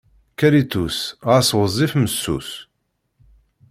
Kalitus, xas ɣezzif, messus.